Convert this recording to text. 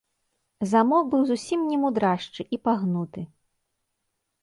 Замок быў зусім немудрашчы і пагнуты.